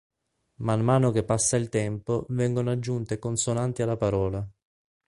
Man mano che passa il tempo vengono aggiunte consonanti alla parola.